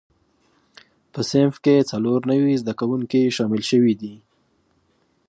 په صنف کې څلور نوي زده کوونکي شامل شوي دي.